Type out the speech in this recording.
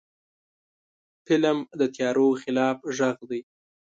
فلم د تیارو خلاف غږ دی